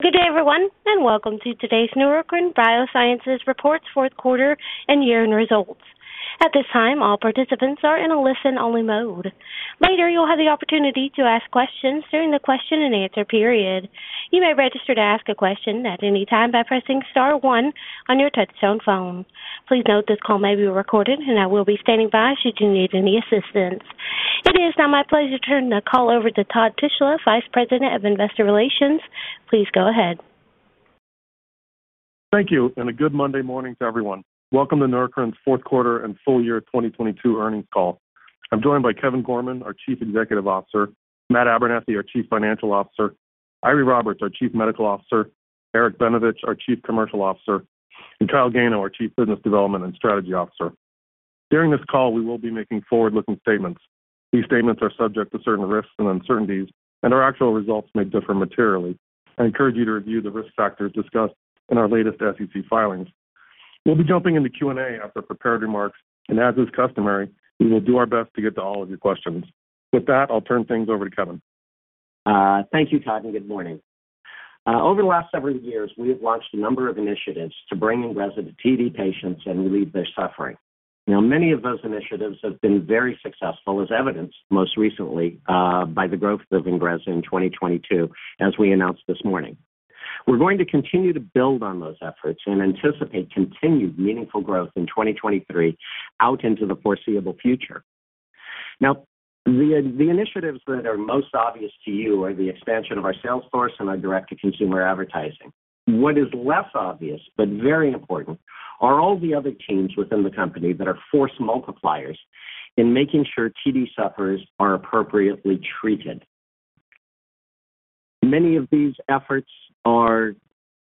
Good day everyone, welcome to today's Neurocrine Biosciences Reports Q4 and year-end results. At this time, all participants are in a listen-only mode. Later, you'll have the opportunity to ask questions during the question and answer period. You may register to ask a question at any time by pressing star one on your touchtone phone. Please note this call may be recorded. I will be standing by should you need any assistance. It is now my pleasure to turn the call over to Todd Tishler, Vice President of Investor Relations. Please go ahead. Thank you. A good Monday morning to everyone. Welcome to Neurocrine's fourth quarter and full year 2022 earnings call. I'm joined by Kevin Gorman, our Chief Executive Officer, Matt Abernethy, our Chief Financial Officer, Eiry Roberts, our Chief Medical Officer, Eric Benevich, our Chief Commercial Officer, and Kyle Gano, our Chief Business Development and Strategy Officer. During this call, we will be making forward-looking statements. These statements are subject to certain risks and uncertainties, and our actual results may differ materially. I encourage you to review the risk factors discussed in our latest SEC filings. We'll be jumping into Q&A after prepared remarks and as is customary, we will do our best to get to all of your questions. With that, I'll turn things over to Kevin. Thank you, Todd, good morning. Over the last several years, we have launched a number of initiatives to bring INGREZZA to TD patients relieve their suffering. Many of those initiatives have been very successful, as evidenced most recently by the growth of INGREZZA in 2022, as we announced this morning. We're going to continue to build on those efforts and anticipate continued meaningful growth in 2023 out into the foreseeable future. The initiatives that are most obvious to you are the expansion of our sales force and our direct-to-consumer advertising. What is less obvious but very important are all the other teams within the company that are force multipliers in making sure TD sufferers are appropriately treated. Many of these efforts are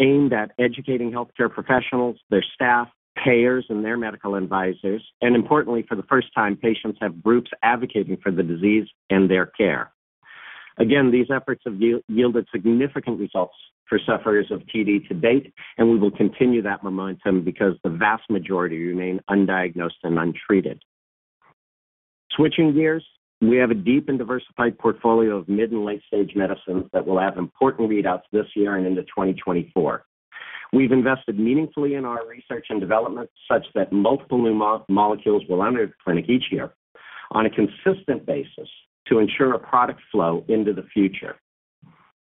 aimed at educating healthcare professionals, their staff, payers, and their medical advisors. Importantly, for the first time, patients have groups advocating for the disease and their care. These efforts have yielded significant results for sufferers of TD to date, we will continue that momentum because the vast majority remain undiagnosed and untreated. Switching gears, we have a deep and diversified portfolio of mid and late-stage medicines that will have important readouts this year and into 2024. We've invested meaningfully in our research and development such that multiple new molecules will enter the clinic each year on a consistent basis to ensure a product flow into the future.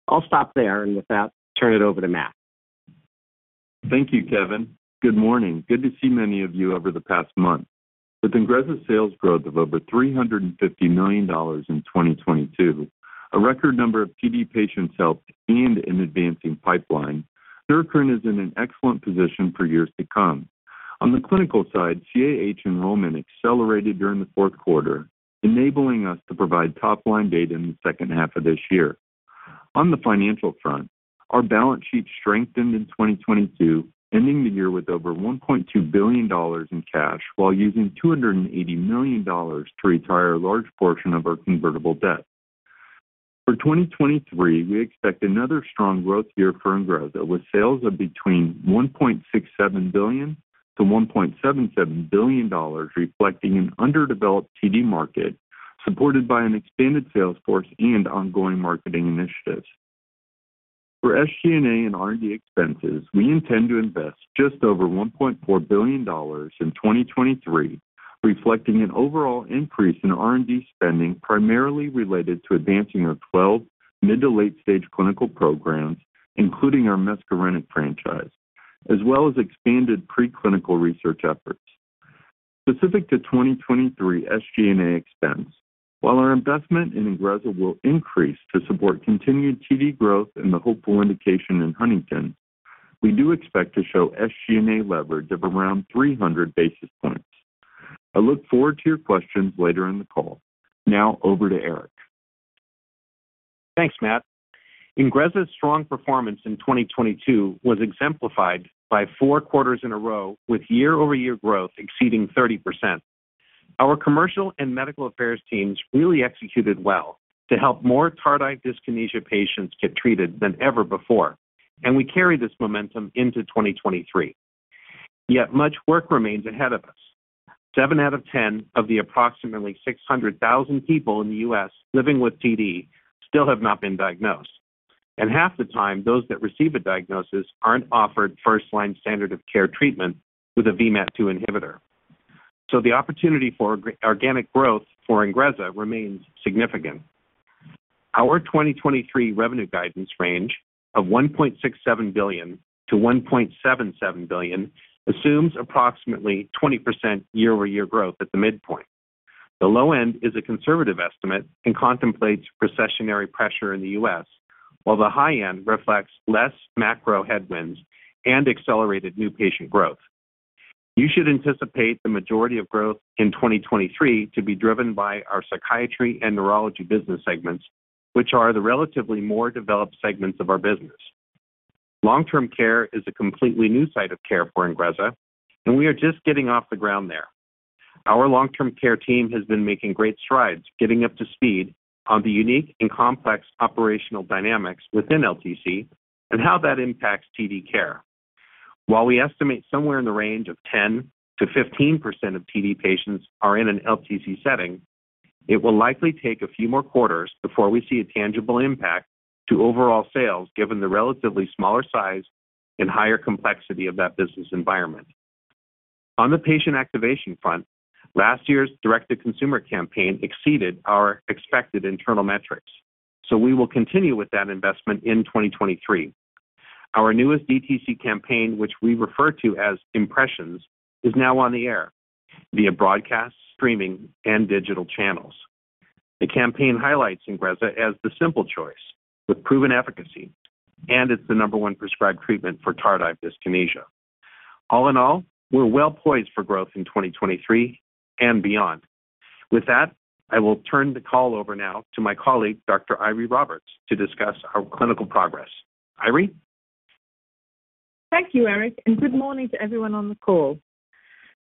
I'll stop there, with that, turn it over to Matt. Thank you, Kevin. Good morning. Good to see many of you over the past month. With INGREZZA's sales growth of over $350 million in 2022, a record number of TD patients helped and an advancing pipeline, Neurocrine is in an excellent position for years to come. On the clinical side, CAH enrollment accelerated during the fourth quarter, enabling us to provide top-line data in the second half of this year. On the financial front, our balance sheet strengthened in 2022, ending the year with over $1.2 billion in cash while using $280 million to retire a large portion of our convertible debt. For 2023, we expect another strong growth year for INGREZZA, with sales of between $1.67 billion-$1.77 billion, reflecting an underdeveloped TD market supported by an expanded sales force and ongoing marketing initiatives. For SG&A and R&D expenses, we intend to invest just over $1.4 billion in 2023, reflecting an overall increase in R&D spending, primarily related to advancing our 12 mid- to late-stage clinical programs, including our muscarinic franchise, as well as expanded preclinical research efforts. Specific to 2023 SG&A expense, while our investment in INGREZZA will increase to support continued TD growth in the hopeful indication in Huntington, we do expect to show SG&A leverage of around 300 basis points. I look forward to your questions later in the call. Now over to Eric. Thanks, Matt. INGREZZA's strong performance in 2022 was exemplified by four quarters in a row, with year-over-year growth exceeding 30%. Our commercial and medical affairs teams really executed well to help more tardive dyskinesia patients get treated than ever before. We carry this momentum into 2023. Yet much work remains ahead of us. seven out of 10 of the approximately 600,000 people in the U.S., living with TD still have not been diagnosed. Half the time, those that receive a diagnosis aren't offered first-line standard of care treatment with a VMAT2 inhibitor. The opportunity for organic growth for INGREZZA remains significant. Our 2023 revenue guidance range of $1.67 billion-$1.77 billion assumes approximately 20% year-over-year growth at the midpoint. The low end is a conservative estimate and contemplates recessionary pressure in the U.S., while the high end reflects less macro headwinds and accelerated new patient growth. You should anticipate the majority of growth in 2023 to be driven by our psychiatry and neurology business segments, which are the relatively more developed segments of our business. Long-term care is a completely new site of care for INGREZZA, and we are just getting off the ground there. Our long-term care team has been making great strides getting up to speed on the unique and complex operational dynamics within LTC and how that impacts TD care. While we estimate somewhere in the range of 10%-15% of PD patients are in an LTC setting, it will likely take a few more quarters before we see a tangible impact to overall sales given the relatively smaller size and higher complexity of that business environment. On the patient activation front, last year's direct-to-consumer campaign exceeded our expected internal metrics. We will continue with that investment in 2023. Our newest DTC campaign, which we refer to as Impressions, is now on the air via broadcast, streaming and digital channels. The campaign highlights INGREZZA as the simple choice with proven efficacy, and it's the number one prescribed treatment for tardive dyskinesia. All in all, we're well poised for growth in 2023 and beyond. With that, I will turn the call over now to my colleague, Dr. Eiry Roberts, to discuss our clinical progress. Eiry? Thank you, Eric. Good morning to everyone on the call.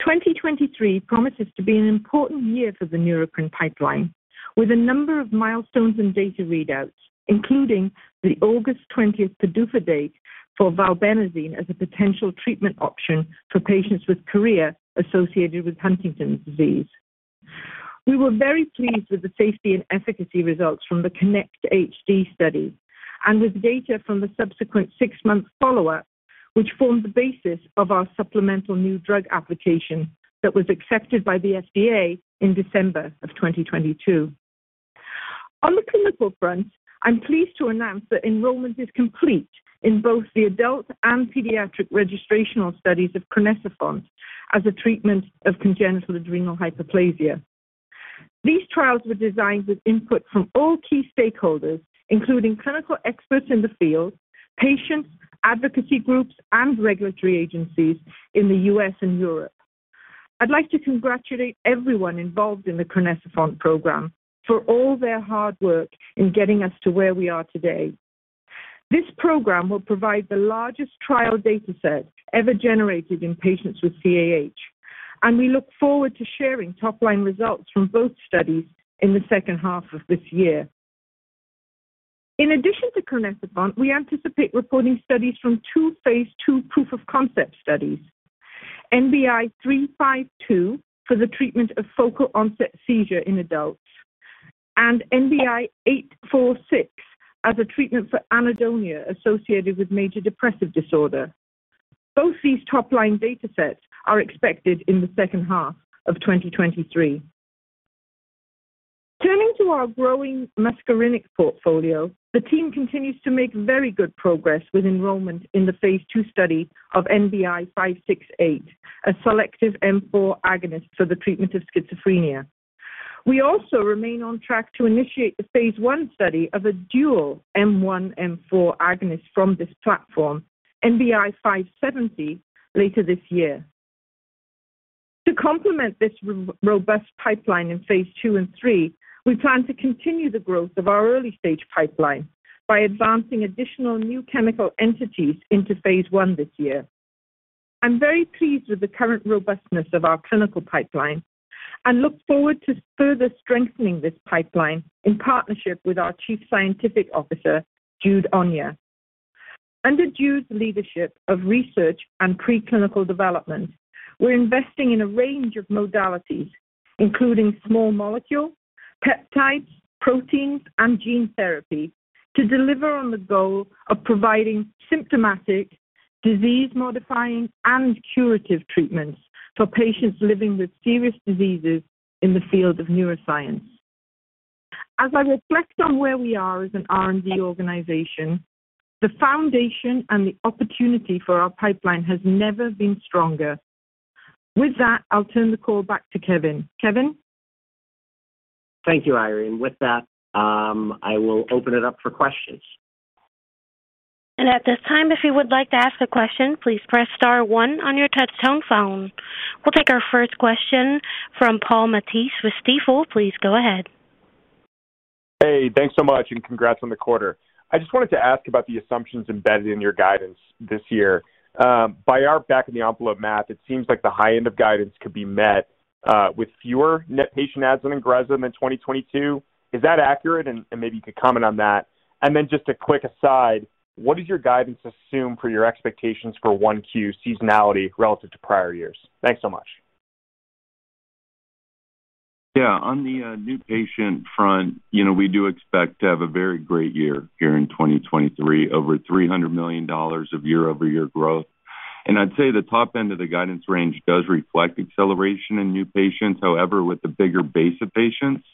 2023 promises to be an important year for the Neurocrine pipeline, with a number of milestones and data readouts, including the August 20th PDUFA date for valbenazine as a potential treatment option for patients with chorea associated with Huntington's disease. We were very pleased with the safety and efficacy results from the KINECT-HD study and with data from the subsequent six-month follow-up, which formed the basis of our supplemental new drug application that was accepted by the FDA in December 2022. On the clinical front, I'm pleased to announce that enrollment is complete in both the adult and pediatric registrational studies of crinecerfont as a treatment of congenital adrenal hyperplasia. These trials were designed with input from all key stakeholders, including clinical experts in the field, patients, advocacy groups, and regulatory agencies in the U.S., and Europe. I'd like to congratulate everyone involved in the crinecerfont program for all their hard work in getting us to where we are today. This program will provide the largest trial data set ever generated in patients with CAH, and we look forward to sharing top-line results from both studies in the second half of this year. In addition to crinecerfont, we anticipate reporting studies from two phase II proof-of-concept studies. NBI-921352 for the treatment of focal onset seizure in adults, and NBI-1065846 as a treatment for anhedonia associated with major depressive disorder. Both these top-line data sets are expected in the second half of 2023. Turning to our growing muscarinic portfolio, the team continues to make very good progress with enrollment in the phase II study of NBI-1117568, a selective M4 agonist for the treatment of schizophrenia. We also remain on track to initiate the phase I study of a dual M1/M4 agonist from this platform, NBI-1117570, later this year. To complement this robust pipeline in phase II and III, we plan to continue the growth of our early-stage pipeline by advancing additional new chemical entities into phase I this year. I'm very pleased with the current robustness of our clinical pipeline and look forward to further strengthening this pipeline in partnership with our Chief Scientific Officer, Jude Onyia. Under Jude's leadership of research and preclinical development, we're investing in a range of modalities, including small molecule, peptides, proteins, and gene therapy, to deliver on the goal of providing symptomatic, disease-modifying, and curative treatments for patients living with serious diseases in the field of neuroscience. As I reflect on where we are as an R&D organization, the foundation and the opportunity for our pipeline has never been stronger. With that, I'll turn the call back to Kevin. Kevin? Thank you, Eiry. With that, I will open it up for questions. At this time, if you would like to ask a question, please press star one on your touch-tone phone. We'll take our first question from Paul Matteis with Stifel. Please go ahead. Hey, thanks so much, and congrats on the quarter. I just wanted to ask about the assumptions embedded in your guidance this year. By our back-of-the-envelope math, it seems like the high end of guidance could be met, with fewer net patient adds on INGREZZA than 2022. Is that accurate? Maybe you could comment on that. Just a quick aside, what does your guidance assume for your expectations for 1Q seasonality relative to prior years? Thanks so much. On the new patient front, you know, we do expect to have a very great year here in 2023, over $300 million of year-over-year growth. I'd say the top end of the guidance range does reflect acceleration in new patients. However, with the bigger base of patients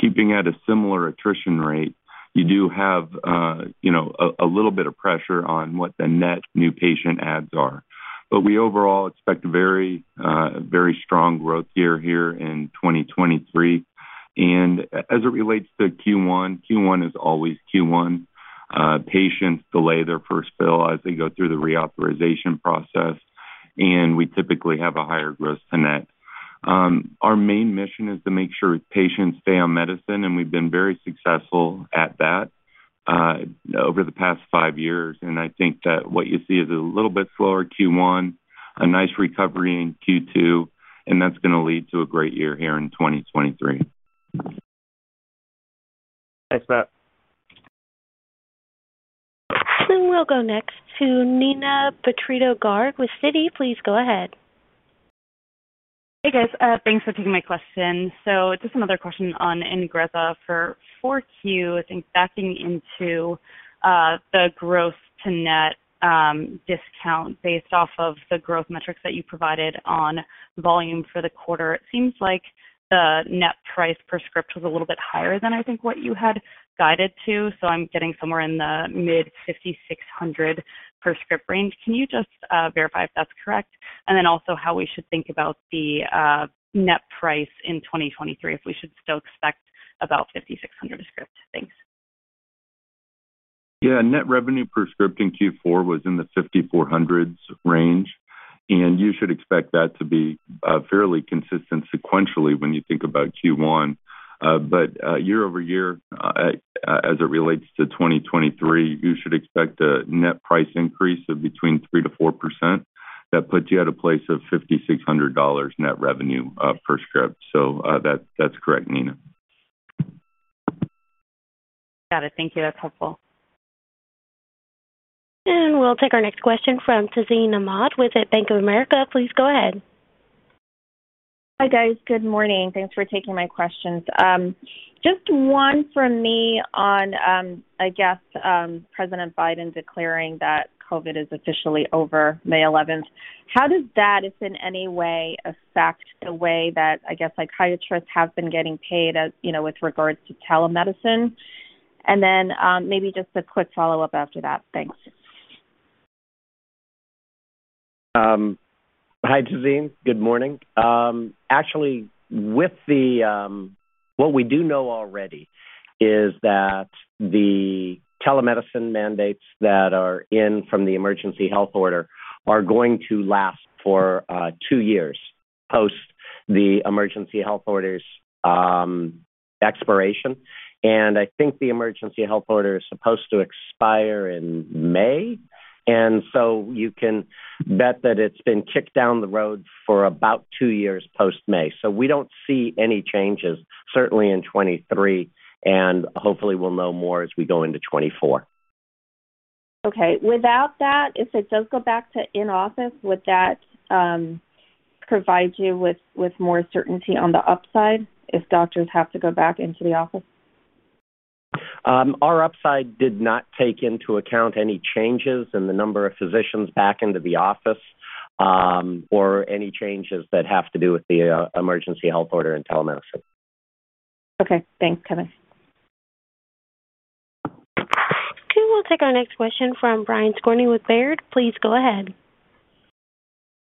keeping at a similar attrition rate, you do have, you know, a little bit of pressure on what the net new patient adds are. We overall expect a very strong growth year here in 2023. As it relates to Q1 is always Q1. Patients delay their first fill as they go through the reauthorization process, and we typically have a higher gross to net. Our main mission is to make sure patients stay on medicine, and we've been very successful at that, over the past five years. I think that what you see is a little bit slower Q1, a nice recovery in Q2, and that's gonna lead to a great year here in 2023. Thanks, Matt. We'll go next to Neena Bitritto-Garg with Citi. Please go ahead. Hey, guys. Thanks for taking my question. Just another question on INGREZZA for 4Q. I think backing into the growth to net discount based off of the growth metrics that you provided on volume for the quarter. It seems like the net price per script was a little bit higher than I think what you had guided to. I'm getting somewhere in the mid-$5,600 per script range. Can you just verify if that's correct? Also how we should think about the net price in 2023, if we should still expect about $5,600 a script. Thanks. Yeah. Net revenue per script in Q4 was in the $5,400 range, and you should expect that to be fairly consistent sequentially when you think about Q1. year-over-year, as it relates to 2023, you should expect a net price increase of between 3%-4%. That puts you at a place of $5,600 net revenue per script. that's correct, Neena. Got it. Thank you. That's helpful. We'll take our next question from Tazeen Ahmad with Bank of America. Please go ahead. Hi, guys. Good morning. Thanks for taking my questions. Just one from me on, I guess, President Biden declaring that COVID is officially over May 11th. How does that, if in any way, affect the way that, I guess, like, how your trust has been getting paid as, you know, with regards to telemedicine? Then maybe just a quick follow-up after that. Thanks. Hi, Tazeen. Good morning. Actually, with the, what we do know already is that the telemedicine mandates that are in from the emergency health order are going to last for two years post the emergency health order's expiration. I think the emergency health order is supposed to expire in May. You can bet that it's been kicked down the road for about two years post-May. We don't see any changes, certainly in 2023, and hopefully we'll know more as we go into 2024. Without that, if it does go back to in-office, would that provide you with more certainty on the upside if doctors have to go back into the office? Our upside did not take into account any changes in the number of physicians back into the office, or any changes that have to do with the emergency health order in telemedicine. Okay. Thanks, Kevin. We'll take our next question from Brian Skorney with Baird. Please go ahead.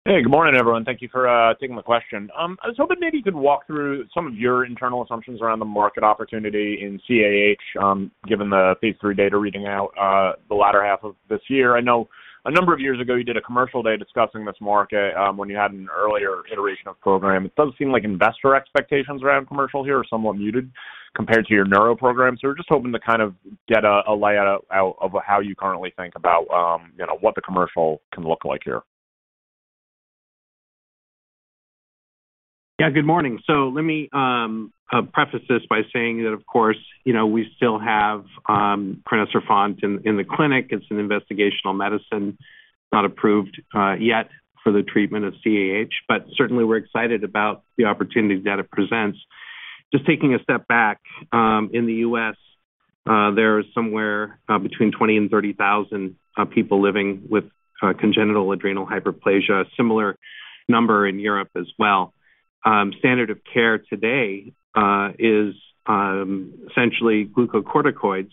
Good morning, everyone. Thank you for taking the question. I was hoping maybe you could walk through some of your internal assumptions around the market opportunity in CAH, given the phase three data reading out the latter half of this year. I know a number of years ago, you did a commercial day discussing this market, when you had an earlier iteration of program. It does seem like investor expectations around commercial here are somewhat muted compared to your neuro program. We're just hoping to kind of get a layout out of how you currently think about, you know, what the commercial can look like here. Yeah. Good morning. Let me preface this by saying that of course, you know, we still have crinecerfont in the clinic. It's an investigational medicine, not approved yet for the treatment of CAH. Certainly we're excited about the opportunity that it presents. Just taking a step back, in the U.S., there is somewhere between 20,000 and 30,000 people living with congenital adrenal hyperplasia, similar number in Europe as well. Standard of care today is essentially glucocorticoids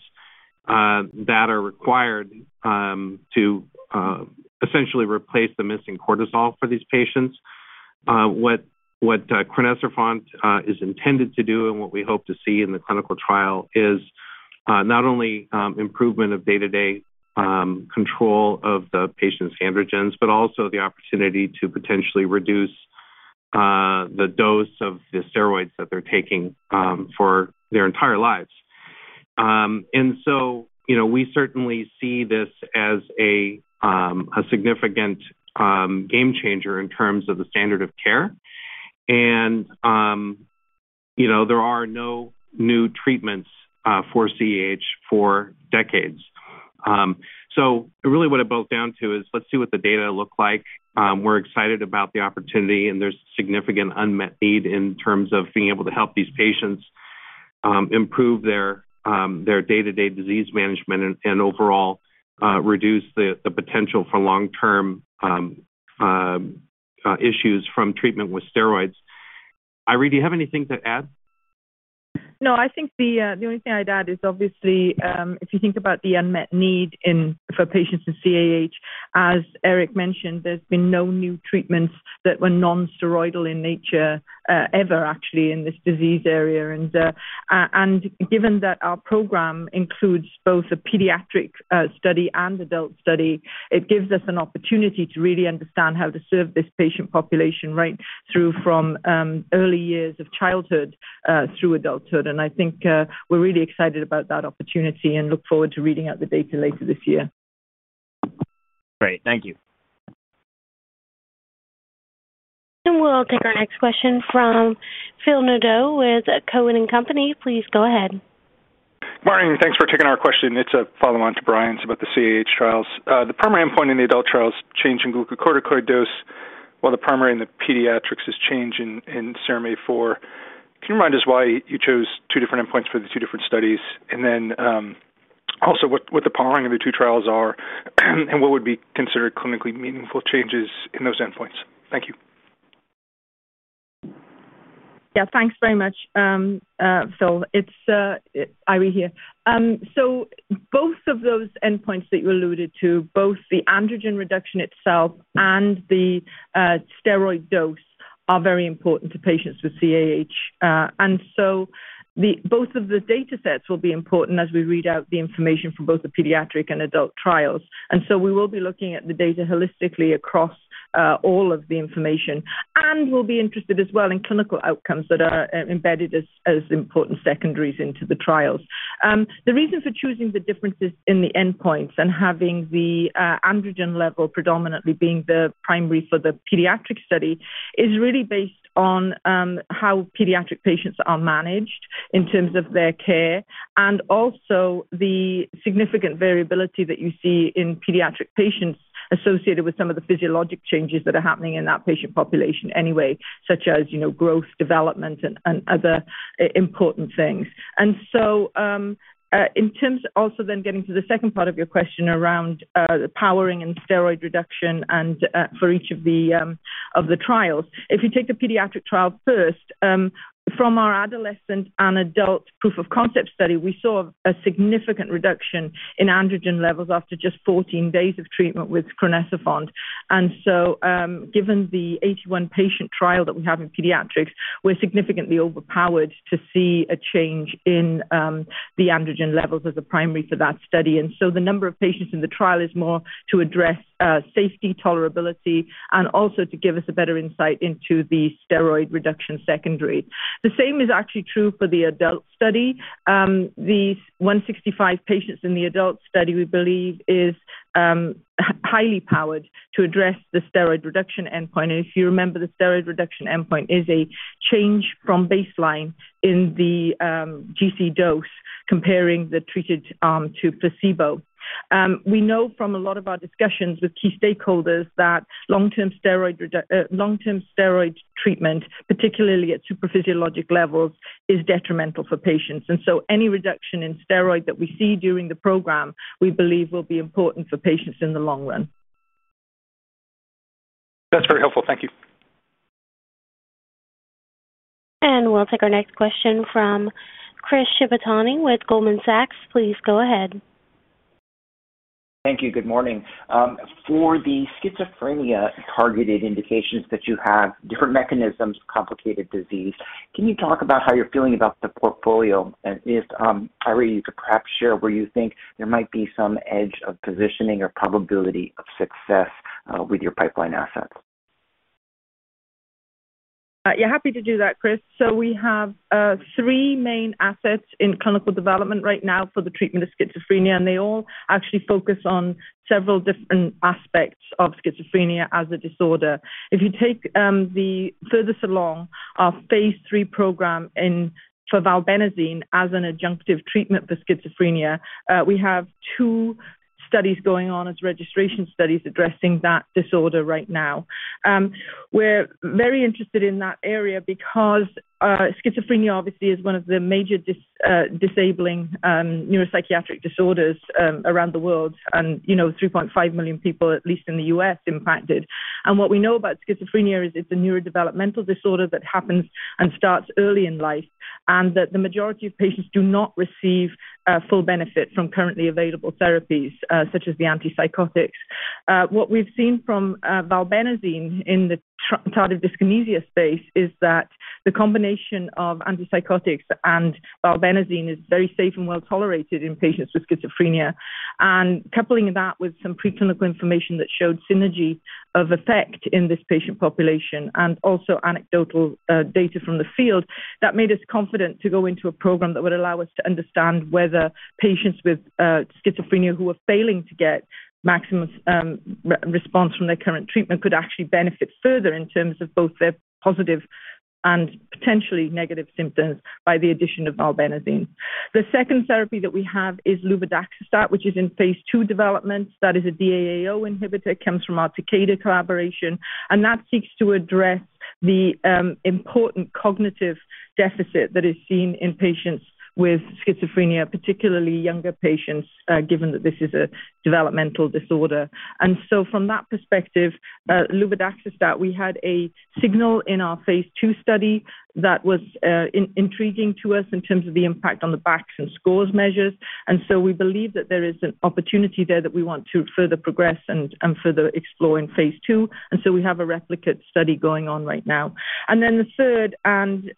that are required to essentially replace the missing cortisol for these patients. What crinecerfont is intended to do and what we hope to see in the clinical trial is not only improvement of day-to-day control of the patient's androgens, but also the opportunity to potentially reduce the dose of the steroids that they're taking for their entire lives. You know, we certainly see this as a significant game changer in terms of the standard of care. You know, there are no new treatments for CAH for decades. Really what it boils down to is, let's see what the data look like. We're excited about the opportunity, and there's significant unmet need in terms of being able to help these patients, improve their day-to-day disease management and overall, reduce the potential for long-term, issues from treatment with steroids. Eiry, do you have anything to add? I think the only thing I'd add is obviously, if you think about the unmet need for patients in CAH, as Eric mentioned, there's been no new treatments that were non-steroidal in nature, ever actually in this disease area. Given that our program includes both a pediatric study and adult study, it gives us an opportunity to really understand how to serve this patient population right through from early years of childhood through adulthood. I think we're really excited about that opportunity and look forward to reading out the data later this year. Great. Thank you. We'll take our next question from Phil Nadeau with TD Cowen. Please go ahead. Morning, thanks for taking our question. It's a follow-on to Brian's about the CAH trials. The primary endpoint in the adult trial is change in glucocorticoid dose, while the primary in the pediatrics is change in CRH4. Can you remind us why you chose two different endpoints for the two different studies? Also what the powering of the two trials are and what would be considered clinically meaningful changes in those endpoints? Thank you. Yeah, thanks very much, Phil. It's Eiry here. Both of those endpoints that you alluded to, both the androgen reduction itself and the steroid dose are very important to patients with CAH. Both of the datasets will be important as we read out the information for both the pediatric and adult trials. We will be looking at the data holistically across all of the information, and we'll be interested as well in clinical outcomes that are embedded as important secondaries into the trials. The reason for choosing the differences in the endpoints and having the androgen level predominantly being the primary for the pediatric study is really based on how pediatric patients are managed in terms of their care, and also the significant variability that you see in pediatric patients associated with some of the physiologic changes that are happening in that patient population anyway, such as, you know, growth, development, and other important things. In order also then getting to the second part of your question around the powering and steroid reduction for each of the trials. If you take the pediatric trial first, from our adolescent and adult proof of concept study, we saw a significant reduction in androgen levels after just 14 days of treatment with crinecerfont. Given the 81 patient trial that we have in pediatrics, we're significantly overpowered to see a change in the androgen levels as a primary for that study. The number of patients in the trial is more to address safety tolerability and also to give us a better insight into the steroid reduction secondary. The same is actually true for the adult study. The 165 patients in the adult study, we believe, is highly powered to address the steroid reduction endpoint. If you remember, the steroid reduction endpoint is a change from baseline in the GC dose comparing the treated to placebo. We know from a lot of our discussions with key stakeholders that long-term steroid treatment, particularly at supraphysiologic levels, is detrimental for patients. Any reduction in steroid that we see during the program, we believe will be important for patients in the long run. That's very helpful. Thank you. We'll take our next question from Chris Shibutani with Goldman Sachs. Please go ahead. Thank you. Good morning. For the schizophrenia targeted indications that you have different mechanisms, complicated disease, can you talk about how you're feeling about the portfolio? If, Irene, you could perhaps share where you think there might be some edge of positioning or probability of success with your pipeline assets. Yeah, happy to do that, Chris. We have three main assets in clinical development right now for the treatment of schizophrenia, and they all actually focus on several different aspects of schizophrenia as a disorder. If you take the furthest along, our phase III program for valbenazine as an adjunctive treatment for schizophrenia, we have two studies going on as registration studies addressing that disorder right now. We're very interested in that area because schizophrenia obviously is one of the major disabling neuropsychiatric disorders around the world. You know, 3.5 million people, at least in the U.S., impacted. What we know about schizophrenia is it's a neurodevelopmental disorder that happens and starts early in life, and that the majority of patients do not receive full benefit from currently available therapies, such as the antipsychotics. What we've seen from valbenazine in the tardive dyskinesia space is that the combination of antipsychotics and valbenazine is very safe and well-tolerated in patients with schizophrenia. Coupling that with some preclinical information that showed synergy of effect in this patient population and also anecdotal data from the field, that made us confident to go into a program that would allow us to understand whether patients with schizophrenia who are failing to get maximum response from their current treatment could actually benefit further in terms of both their positive and potentially negative symptoms by the addition of valbenazine. The second therapy that we have is luvadaxistat, which is in phase II development. That is a DAO inhibitor, comes from our Takeda collaboration, and that seeks to address the important cognitive deficit that is seen in patients with schizophrenia, particularly younger patients, given that this is a developmental disorder. From that perspective, luvadaxistat, we had a signal in our phase II study that was intriguing to us in terms of the impact on the BACS measures. We believe that there is an opportunity there that we want to further progress and further explore in phase II. We have a replicate study going on right now. The third and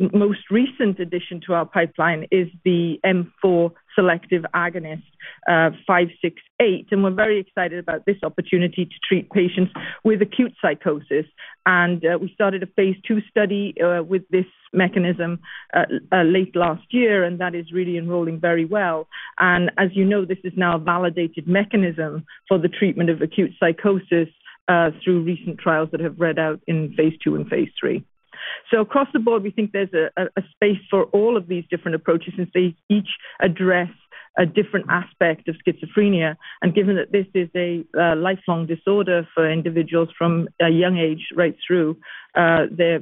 most recent addition to our pipeline is the M4 selective agonist, 568. We're very excited about this opportunity to treat patients with acute psychosis. We started a phase two study with this mechanism late last year, and that is really enrolling very well. As you know, this is now a validated mechanism for the treatment of acute psychosis through recent trials that have read out in phase II and phase III. Across the board, we think there's a space for all of these different approaches since they each address a different aspect of schizophrenia. Given that this is a lifelong disorder for individuals from a young age right through their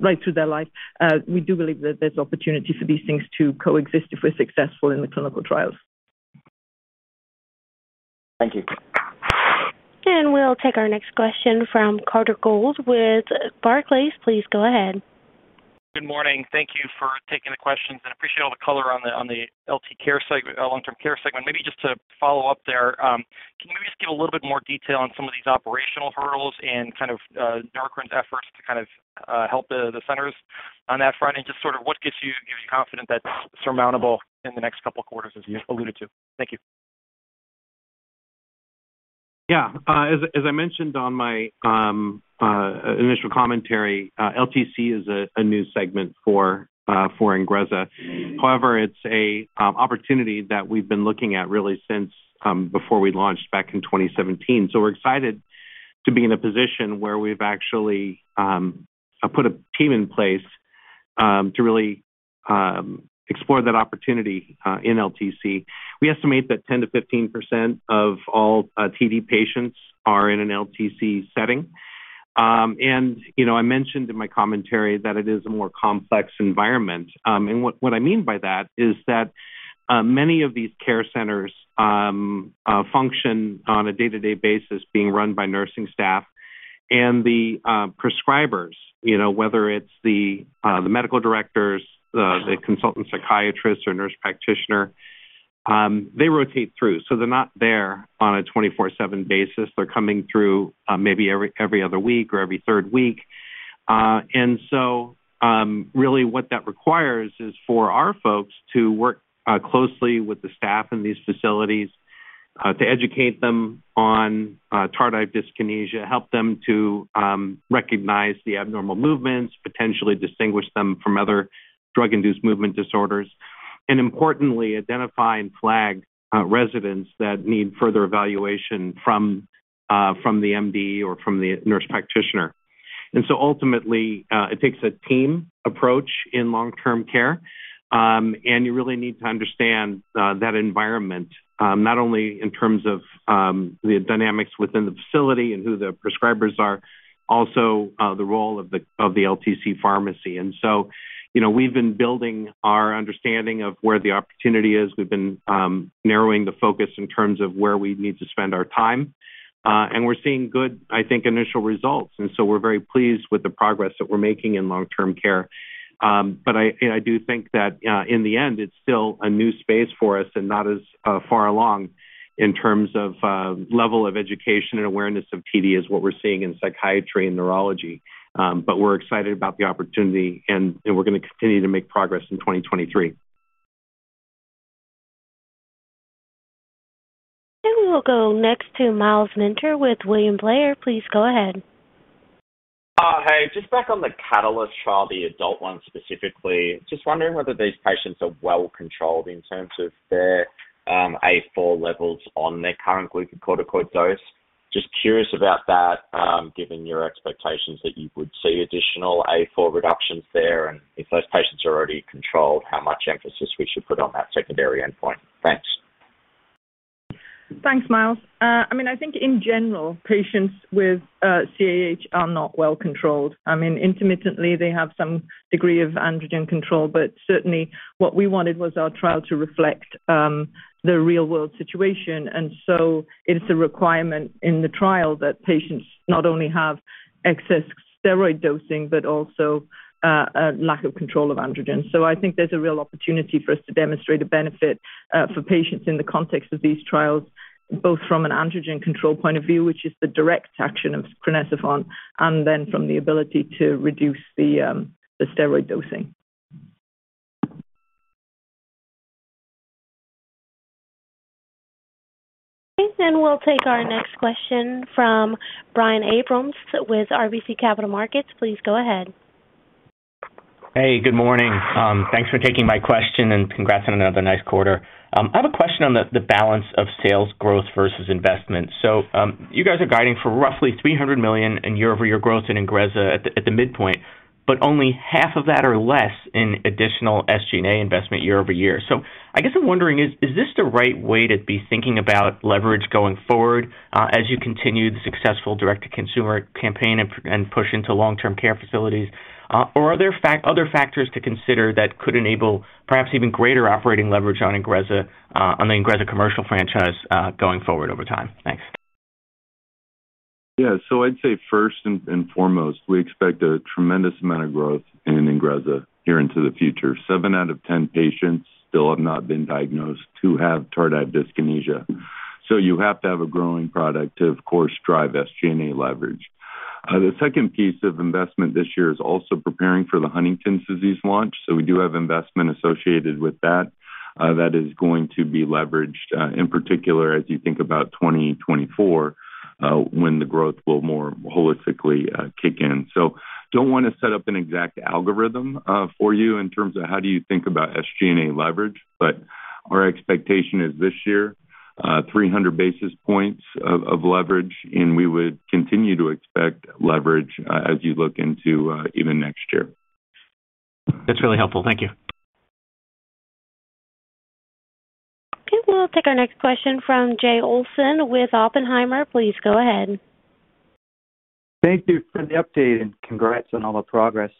right through their life, we do believe that there's opportunity for these things to coexist if we're successful in the clinical trials. Thank you. We'll take our next question from Carter Gould with Barclays. Please go ahead. Good morning. Thank you for taking the questions. I appreciate all the color on the LT care long-term care segment. Maybe just to follow up there, can you maybe just give a little bit more detail on some of these operational hurdles and kind of Neurocrine's efforts to kind of help the centers on that front and just sort of what gives you confidence that's surmountable in the next couple of quarters as you alluded to? Thank you. As I mentioned on my initial commentary, LTC is a new segment for INGREZZA. However, it's an opportunity that we've been looking at really since before we launched back in 2017. We're excited to be in a position where we've actually put a team in place to really explore that opportunity in LTC. We estimate that 10%-15% of all TD patients are in an LTC setting. You know, I mentioned in my commentary that it is a more complex environment. What I mean by that is that many of these care centers function on a day-to-day basis being run by nursing staff and the prescribers, you know, whether it's the medical directors, the consultant psychiatrists or nurse practitioner, they rotate through. They're not there on a 24/7 basis. They're coming through, maybe every other week or every third week. Really what that requires is for our folks to work closely with the staff in these facilities to educate them on tardive dyskinesia, help them to recognize the abnormal movements, potentially distinguish them from other drug-induced movement disorders, and importantly, identify and flag residents that need further evaluation from the MD or from the nurse practitioner. Ultimately, it takes a team approach in long-term care. You really need to understand that environment, not only in terms of the dynamics within the facility and who the prescribers are, also, the role of the LTC pharmacy. You know, we've been building our understanding of where the opportunity is. We've been narrowing the focus in terms of where we need to spend our time, and we're seeing good, I think, initial results. We're very pleased with the progress that we're making in long-term care. I do think that in the end, it's still a new space for us and not as far along in terms of level of education and awareness of TD as what we're seeing in psychiatry and neurology. We're excited about the opportunity and we're gonna continue to make progress in 2023. We'll go next to Myles Minter with William Blair. Please go ahead. Hey, just back on the CAHtalyst trial, the adult one specifically, just wondering whether these patients are well controlled in terms of their A4 levels on their current glucocorticoid dose. Just curious about that, given your expectations that you would see additional A4 reductions there, and if those patients are already controlled, how much emphasis we should put on that secondary endpoint. Thanks. Thanks, Myles. I mean, I think in general, patients with CAH are not well controlled. I mean, intermittently, they have some degree of androgen control, certainly what we wanted was our trial to reflect the real-world situation. It is a requirement in the trial that patients not only have excess steroid dosing, but also a lack of control of androgen. I think there's a real opportunity for us to demonstrate a benefit for patients in the context of these trials, both from an androgen control point of view, which is the direct action of crinecerfont, and then from the ability to reduce the steroid dosing. Okay, we'll take our next question from Brian Abrahams with RBC Capital Markets. Please go ahead. Hey, good morning. Thanks for taking my question and congrats on another nice quarter. I have a question on the balance of sales growth versus investment. You guys are guiding for roughly $300 million in year-over-year growth in INGREZZA at the midpoint, but only half of that or less in additional SG&A investment year-over-year. I guess I'm wondering is this the right way to be thinking about leverage going forward as you continue the successful direct-to-consumer campaign and push into long-term care facilities? Or are there other factors to consider that could enable perhaps even greater operating leverage on INGREZZA, on the INGREZZA commercial franchise, going forward over time? Thanks. I'd say first and foremost, we expect a tremendous amount of growth in INGREZZA here into the future. Seven out of 10 patients still have not been diagnosed who have tardive dyskinesia. You have to have a growing product to, of course, drive SG&A leverage. The second piece of investment this year is also preparing for the Huntington's disease launch. We do have investment associated with that is going to be leveraged in particular as you think about 2024, when the growth will more holistically kick in. Don't wanna set up an exact algorithm for you in terms of how do you think about SG&A leverage, but our expectation is this year 300 basis points of leverage, and we would continue to expect leverage as you look into even next year. That's really helpful. Thank you. Okay, we'll take our next question from Jay Olson with Oppenheimer. Please go ahead. Thank you for the update, and congrats on all the progress.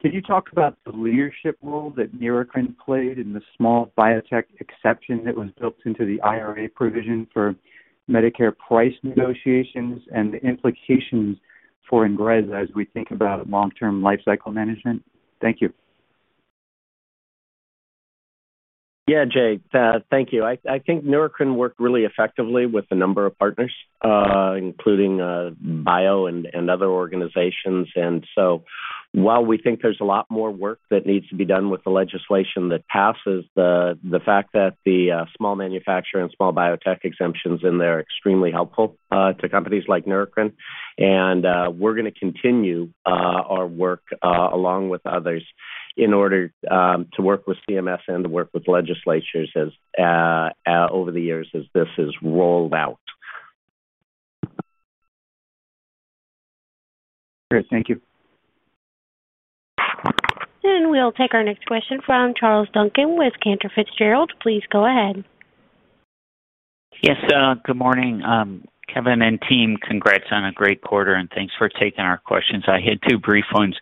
Can you talk about the leadership role that Neurocrine played in the small biotech exception that was built into the IRA provision for Medicare price negotiations and the implications for INGREZZA as we think about long-term lifecycle management? Thank you. Yeah. Jay, thank you. I think Neurocrine worked really effectively with a number of partners, including Bio and other organizations. While we think there's a lot more work that needs to be done with the legislation that passes, the fact that the small manufacturer and small biotech exemptions in there are extremely helpful to companies like Neurocrine. We're gonna continue our work along with others in order to work with CMS and to work with legislatures over the years as this is rolled out. Great. Thank you. We'll take our next question from Charles Duncan with Cantor Fitzgerald. Please go ahead. Yes, good morning, Kevin and team. Congrats on a great quarter, and thanks for taking our questions. I had two brief ones.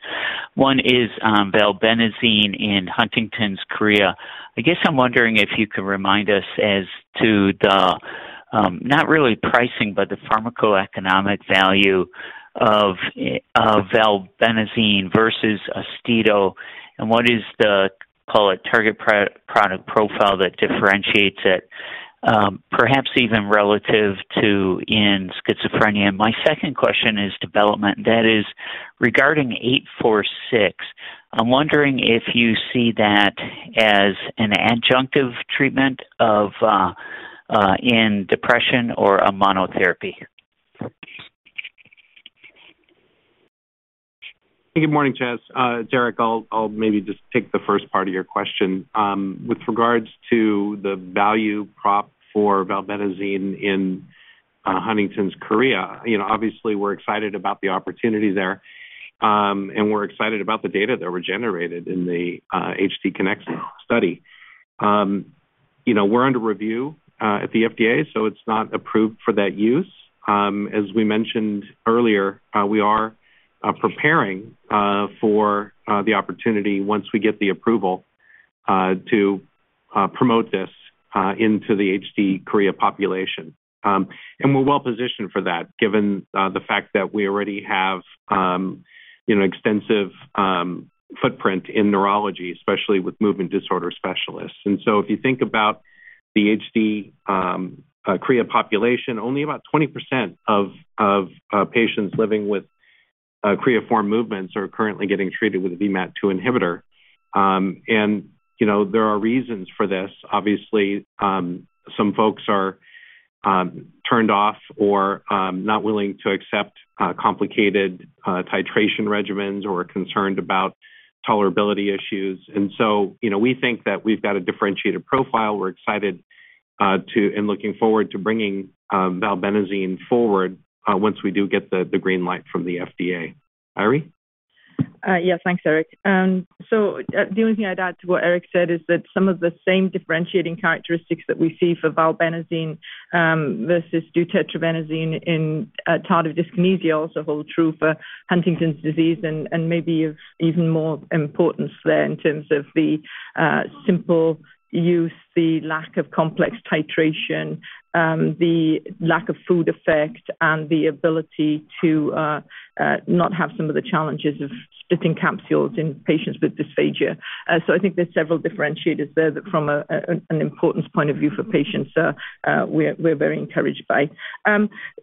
One is, valbenazine in Huntington's chorea. I guess I'm wondering if you could remind us as to the, not really pricing, but the pharmacoeconomic value of valbenazine versus AUSTEDO, and what is the, call it, target pro-product profile that differentiates it, perhaps even relative to in schizophrenia. My second question is development. That is regarding 846. I'm wondering if you see that as an adjunctive treatment in depression or a monotherapy. Good morning, Charles. Eric, I'll maybe just take the first part of your question. With regards to the value prop for valbenazine in Huntington's chorea, you know, obviously we're excited about the opportunity there, and we're excited about the data that were generated in the KINECT-HD study. You know, we're under review at the FDA, so it's not approved for that use. As we mentioned earlier, we are preparing for the opportunity once we get the approval, to promote this into the HD chorea population. And we're well positioned for that, given the fact that we already have, you know, extensive footprint in neurology, especially with movement disorder specialists. If you think about the HD chorea population, only about 20% of patients living with chorea form movements are currently getting treated with a VMAT2 inhibitor. You know, there are reasons for this. Obviously, some folks are turned off or not willing to accept complicated titration regimens or are concerned about tolerability issues. You know, we think that we've got a differentiated profile. We're excited to and looking forward to bringing valbenazine forward once we do get the green light from the FDA. Eiry? Yes, thanks, Eric. The only thing I'd add to what Eric said is that some of the same differentiating characteristics that we see for valbenazine versus deutetrabenazine in tardive dyskinesia also hold true for Huntington's disease and maybe of even more importance there in terms of the simple use, the lack of complex titration, the lack of food effect and the ability to not have some of the challenges of splitting capsules in patients with dysphagia. I think there's several differentiators there that from an importance point of view for patients, we're very encouraged by.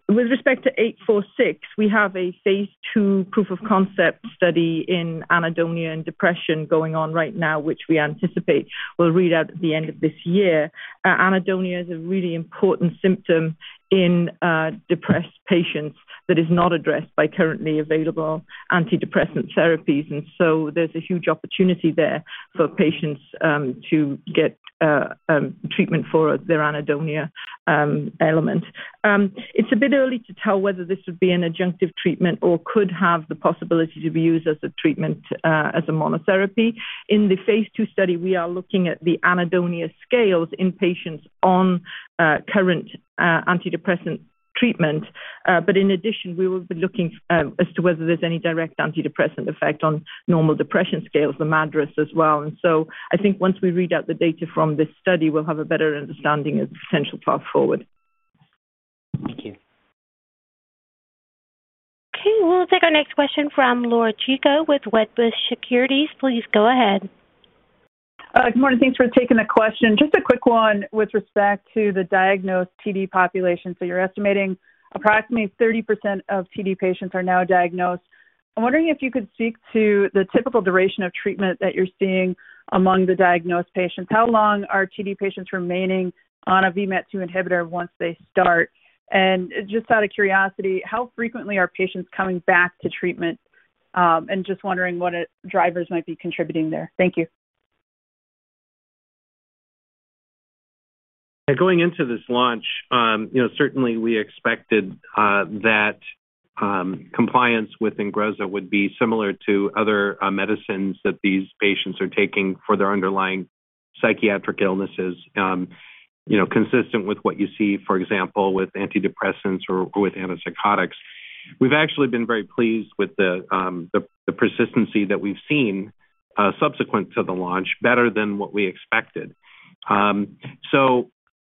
With respect to 846, we have a phase II proof of concept study in anhedonia and depression going on right now, which we anticipate will read out at the end of this year. Anhedonia is a really important symptom in depressed patients that is not addressed by currently available antidepressant therapies. There's a huge opportunity there for patients to get treatment for their anhedonia element. It's a bit early to tell whether this would be an adjunctive treatment or could have the possibility to be used as a treatment as a monotherapy. In the phase II study, we are looking at the anhedonia scales in patients on current antidepressant treatment. In addition, we will be looking as to whether there's any direct antidepressant effect on normal depression scales, the MADRS as well. I think once we read out the data from this study, we'll have a better understanding of the potential path forward. Thank you. Okay, we'll take our next question from Laura Chico with Wedbush Securities. Please go ahead. Good morning. Thanks for taking the question. Just a quick one with respect to the diagnosed TD population. You're estimating approximately 30% of TD patients are now diagnosed. I'm wondering if you could speak to the typical duration of treatment that you're seeing among the diagnosed patients. How long are TD patients remaining on a VMAT2 inhibitor once they start? Just out of curiosity, how frequently are patients coming back to treatment? Just wondering what drivers might be contributing there. Thank you. Going into this launch, you know, certainly we expected that compliance with INGREZZA would be similar to other medicines that these patients are taking for their underlying psychiatric illnesses. You know, consistent with what you see, for example, with antidepressants or with antipsychotics. We've actually been very pleased with the persistency that we've seen subsequent to the launch, better than what we expected.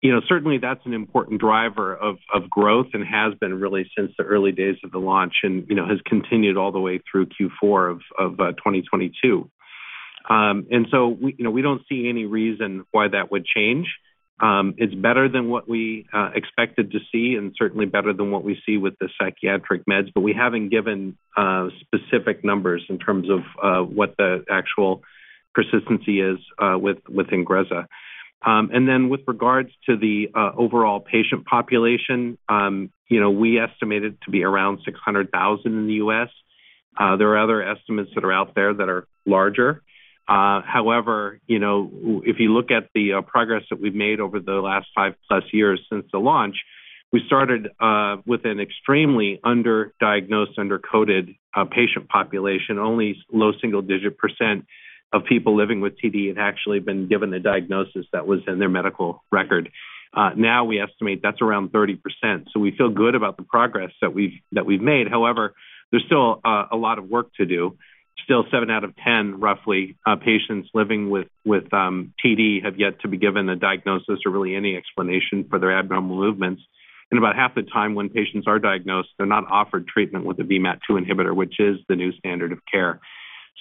You know, certainly that's an important driver of growth and has been really since the early days of the launch and, you know, has continued all the way through Q4 of 2022. We, you know, we don't see any reason why that would change. It's better than what we expected to see and certainly better than what we see with the psychiatric meds. We haven't given specific numbers in terms of what the actual persistency is with INGREZZA. With regards to the overall patient population, you know, we estimate it to be around 600,000 in the U.S. There are other estimates that are out there that are larger. However, you know, if you look at the progress that we've made over the last five plus years since the launch, we started with an extremely underdiagnosed, under-coded patient population. Only low single-digit percent of people living with TD had actually been given a diagnosis that was in their medical record. Now we estimate that's around 30%. We feel good about the progress that we've made. However, there's still a lot of work to do. Still seven out of 10, roughly, patients living with TD have yet to be given a diagnosis or really any explanation for their abnormal movements. About half the time when patients are diagnosed, they're not offered treatment with a VMAT2 inhibitor, which is the new standard of care.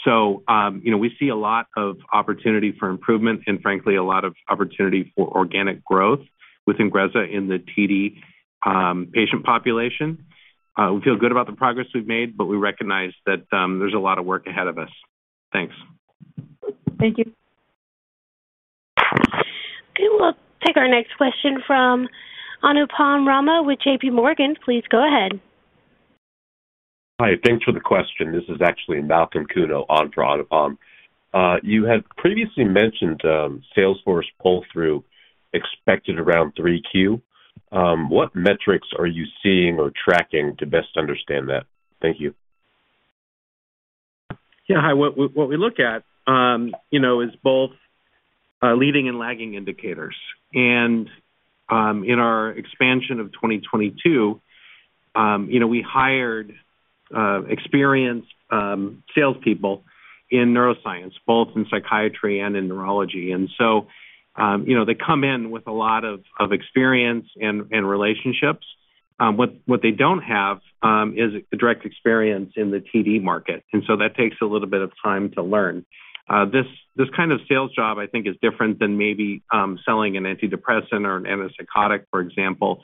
You know, we see a lot of opportunity for improvement and frankly, a lot of opportunity for organic growth with INGREZZA in the TD patient population. We feel good about the progress we've made, but we recognize that there's a lot of work ahead of us. Thanks. Thank you. Okay, we'll take our next question from Anupam Rama with JP Morgan. Please go ahead. Hi. Thanks for the question. This is actually Malcolm Kuno on for Anupam. You had previously mentioned, Salesforce pull through expected around 3Q. What metrics are you seeing or tracking to best understand that? Thank you. Yeah, hi. What we look at, you know, is both leading and lagging indicators. In our expansion of 2022, you know, we hired experienced salespeople in neuroscience, both in psychiatry and in neurology. You know, they come in with a lot of experience and relationships. What they don't have is the direct experience in the TD market. That takes a little bit of time to learn. This kind of sales job, I think is different than maybe selling an antidepressant or an antipsychotic, for example,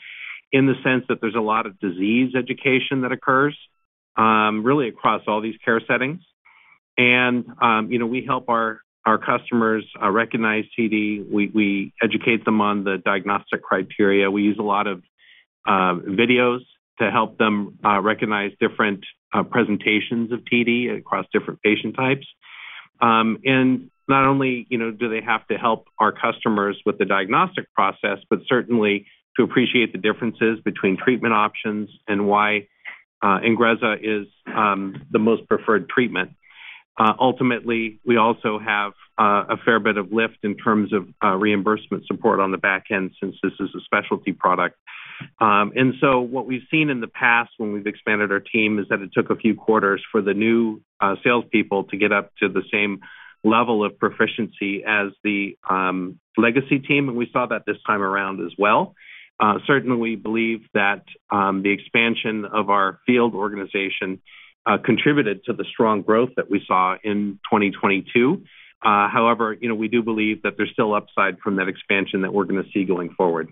in the sense that there's a lot of disease education that occurs really across all these care settings. You know, we help our customers recognize TD. We educate them on the diagnostic criteria. We use a lot of videos to help them recognize different presentations of TD across different patient types. Not only, you know, do they have to help our customers with the diagnostic process, but certainly to appreciate the differences between treatment options and why INGREZZA is the most preferred treatment. Ultimately, we also have a fair bit of lift in terms of reimbursement support on the back end, since this is a specialty product. What we've seen in the past when we've expanded our team is that it took a few quarters for the new salespeople to get up to the same level of proficiency as the legacy team, and we saw that this time around as well. Certainly we believe that the expansion of our field organization contributed to the strong growth that we saw in 2022. However, you know, we do believe that there's still upside from that expansion that we're going to see going forward.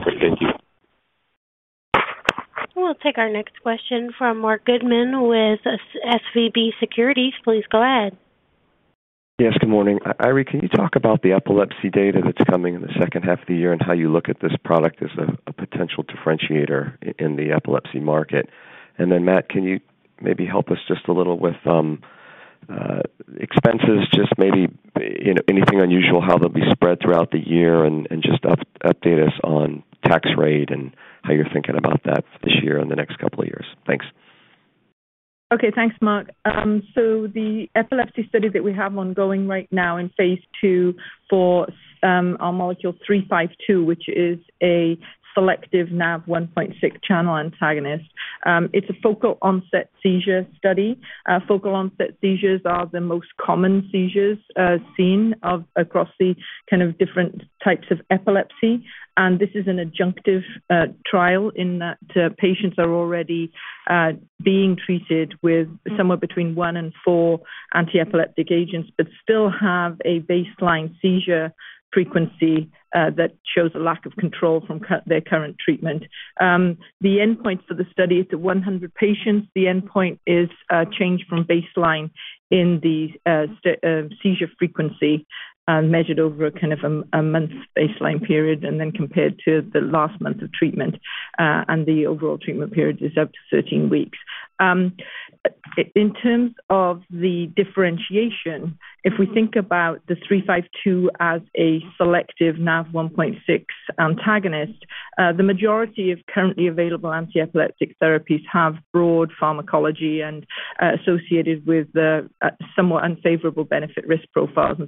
Great. Thank you. We'll take our next question from Marc Goodman with SVB Securities. Please go ahead. Yes, good morning. Irie, can you talk about the epilepsy data that's coming in the second half of the year and how you look at this product as a potential differentiator in the epilepsy market? Matt, can you maybe help us just a little with expenses, just maybe anything unusual, how they'll be spread throughout the year? Just update us on tax rate and how you're thinking about that for this year and the next couple of years. Thanks. Okay. Thanks, Mark. The epilepsy study that we have ongoing right now in phase II for our molecule 352, which is a selective NaV1.6 channel antagonist. It's a focal onset seizure study. Focal onset seizures are the most common seizures seen across the different types of epilepsy. This is an adjunctive trial in that patients are already being treated with somewhere between one and four anti-epileptic agents, but still have a baseline seizure frequency that shows a lack of control from their current treatment. The endpoint for the study is 100 patients. The endpoint is change from baseline in the seizure frequency measured over a month baseline period and then compared to the last month of treatment. The overall treatment period is up to 13 weeks. In terms of the differentiation, if we think about the 352 as a selective Nav1.6 antagonist, the majority of currently available antiepileptic therapies have broad pharmacology and associated with the somewhat unfavorable benefit risk profiles.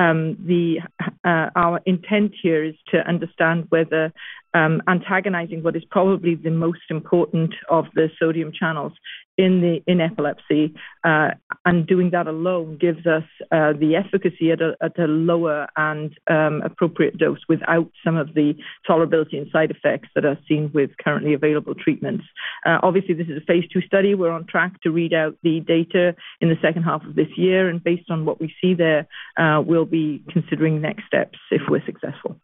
The our intent here is to understand whether antagonizing what is probably the most important of the sodium channels in the in epilepsy, and doing that alone gives us the efficacy at a lower and appropriate dose without some of the tolerability and side effects that are seen with currently available treatments. Obviously, this is a phase II study. We're on track to read out the data in the second half of this year and based on what we see there, we'll be considering next steps if we're successful.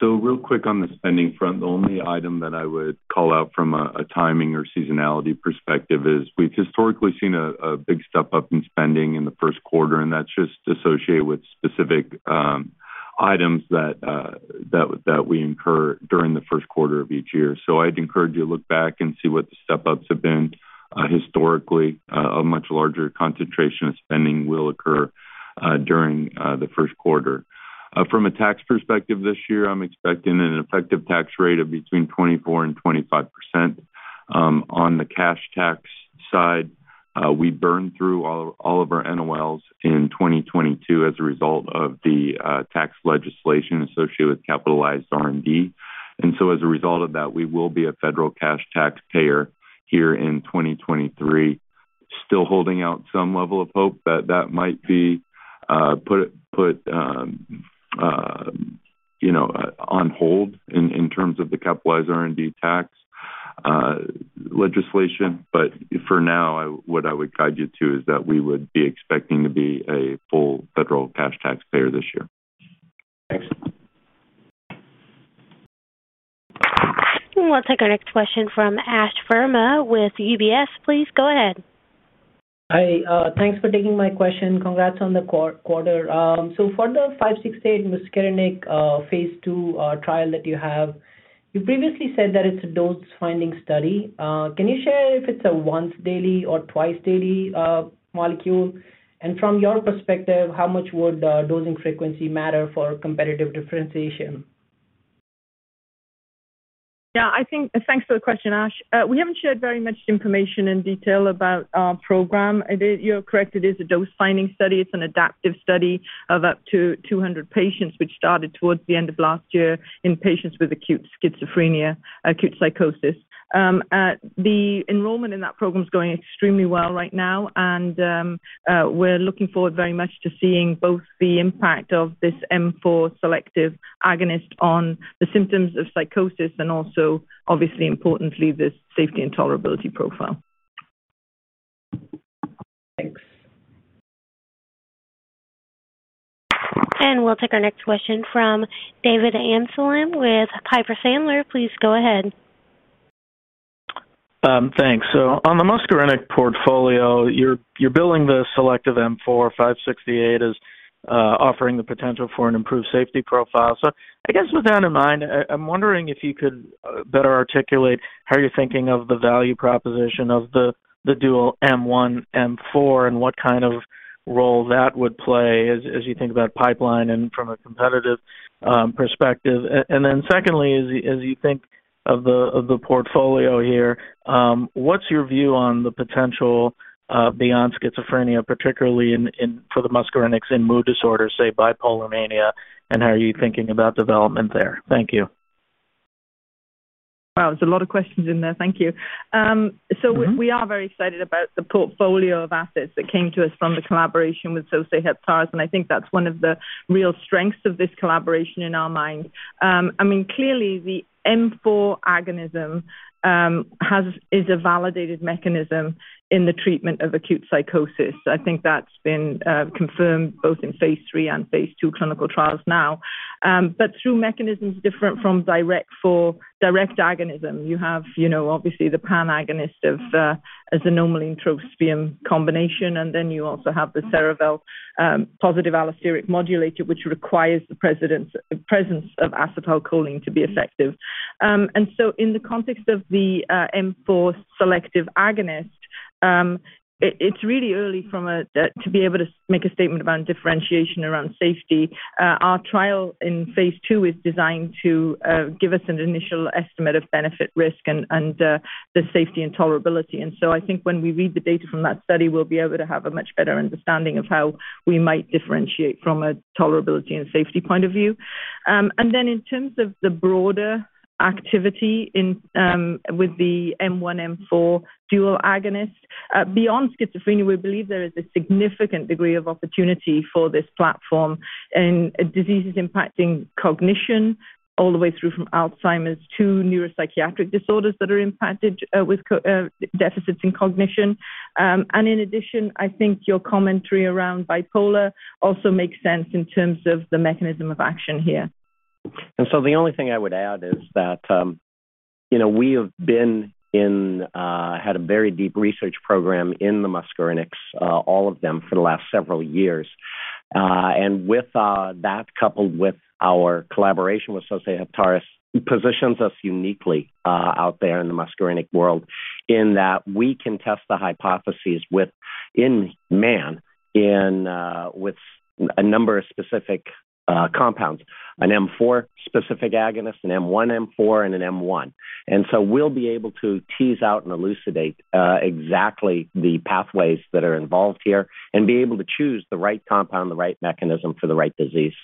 Real quick on the spending front. The only item that I would call out from a timing or seasonality perspective is we've historically seen a big step-up in spending in the first quarter, and that's just associated with specific items that we incur during the first quarter of each year. I'd encourage you to look back and see what the step-ups have been. Historically, a much larger concentration of spending will occur during the first quarter. From a tax perspective this year, I'm expecting an effective tax rate of between 24% and 25%. On the cash tax side, we burned through all of our NOLs in 2022 as a result of the tax legislation associated with capitalized R&D. As a result of that, we will be a federal cash taxpayer here in 2023. Still holding out some level of hope that that might be, put, you know, on hold in terms of the capitalized R&D tax legislation. For now, what I would guide you to is that we would be expecting to be a full federal cash taxpayer this year. Thanks. We'll take our next question from Ash Birma with UBS. Please go ahead. Hi. Thanks for taking my question. Congrats on the quarter. For the NBI-1117568 muscarinic, phase II trial that you have, you previously said that it's a dose-finding study. Can you share if it's a once daily or twice daily molecule? From your perspective, how much would the dosing frequency matter for competitive differentiation? Yeah, I think. Thanks for the question, Ash. We haven't shared very much information in detail about our program. You're correct. It is a dose-finding study. It's an adaptive study of up to 200 patients, which started towards the end of last year in patients with acute schizophrenia, acute psychosis. The enrollment in that program is going extremely well right now and we're looking forward very much to seeing both the impact of this M4 selective agonist on the symptoms of psychosis and also, obviously importantly, the safety and tolerability profile. Thanks. We'll take our next question from David Amsellem with Piper Sandler. Please go ahead. Thanks. On the muscarinic portfolio, you're billing the selective M4 568 as offering the potential for an improved safety profile. I guess with that in mind, I'm wondering if you could better articulate how you're thinking of the value proposition of the dual M1, M4 and what kind of role that would play as you think about pipeline and from a competitive perspective? Then secondly, as you think of the portfolio here, what's your view on the potential beyond schizophrenia, particularly in for the muscarinic in mood disorders, say bipolar mania, and how are you thinking about development there? Thank you. Wow. There's a lot of questions in there. Thank you. We are very excited about the portfolio of assets that came to us from the collaboration with Sosei Heptares, and I mean, clearly the M4 agonism is a validated mechanism in the treatment of acute psychosis. I think that's been confirmed both in phase III and phase II clinical trials now. But through mechanisms different from direct agonism, you have, you know, obviously the pan-agonist of xanomeline-trospium combination, and then you also have the Cerevel positive allosteric modulator, which requires the presence of acetylcholine to be effective. In the context of the M4 selective agonist, it's really early from to be able to make a statement about differentiation around safety. Our trial in phase II is designed to give us an initial estimate of benefit risk and the safety and tolerability. I think when we read the data from that study, we'll be able to have a much better understanding of how we might differentiate from a tolerability and safety point of view. In terms of the broader activity in with the M1/M4 dual agonist beyond schizophrenia, we believe there is a significant degree of opportunity for this platform in diseases impacting cognition all the way through from Alzheimer’s to neuropsychiatric disorders that are impacted with deficits in cognition. In addition, I think your commentary around bipolar also makes sense in terms of the mechanism of action here. The only thing I would add is that, you know, we have been in, had a very deep research program in the muscarinics, all of them for the last several years. With that coupled with our collaboration with Sosei Heptares, it positions us uniquely out there in the muscarinic world in that we can test the hypotheses with in man with a number of specific compounds, an M4 specific agonist, an M1, M4, and an M1. We'll be able to tease out and elucidate exactly the pathways that are involved here and be able to choose the right compound, the right mechanism for the right disease.